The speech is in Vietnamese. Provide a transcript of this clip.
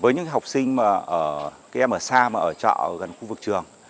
với những học sinh mà ở các em ở xa mà ở trọ gần khu vực trường